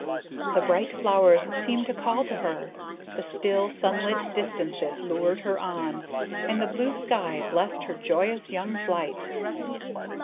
The bright flowers seemed to call to her, the still, sunlit distances lured her on, and the blue sky blessed her joyous young flight.